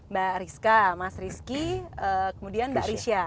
mbak rizka mas rizky kemudian mbak risya